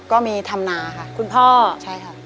ก็มีทำนาค่ะ